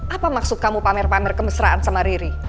apa maksud kamu pamer pamer kemesraan sama riri